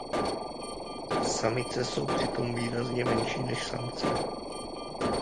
Samice jsou přitom výrazně menší než samci.